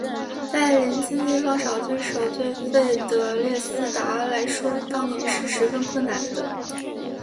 在邻近地方找对手对费德列斯达来说当年是十分困难的。